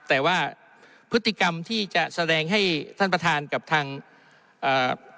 แต่ว่าพฤติกรรมที่จะแสดงให้ท่านประธานกับทางอ่า